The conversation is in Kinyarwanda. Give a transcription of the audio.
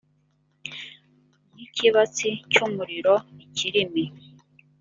nk ikibatsi cy umuriro ikirimi